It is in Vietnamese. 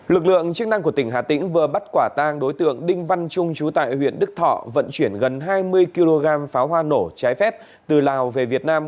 lực lượng chức năng của tỉnh hà tĩnh vừa bắt quả tang đối tượng đinh văn trung chú tại huyện đức thọ vận chuyển gần hai mươi kg pháo hoa nổ trái phép từ lào về việt nam